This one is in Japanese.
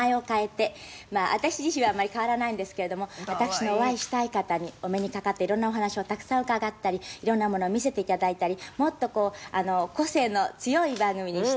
まあ私自身はあまり変わらないんですけれども私がお会いしたい方にお目に掛かって色んなお話をたくさん伺ったり色んなものを見せて頂いたりもっと個性の強い番組にして皆様に見て頂きたいと。